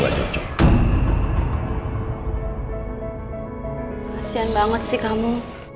gak cocok kasihan banget sih kamu